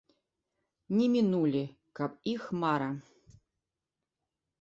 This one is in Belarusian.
Не мінулі, каб іх мара.